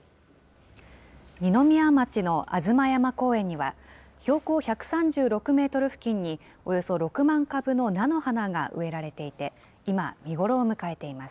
二宮町の吾妻山公園には、標高１３６メートル付近に、およそ６万株の菜の花が植えられていて、今、見頃を迎えています。